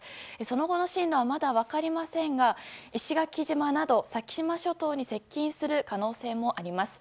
その後の進路はまだ分かりませんが石垣島など先島諸島に接近する可能性もあります。